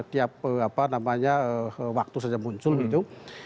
setiap apa namanya waktu saja muncul itu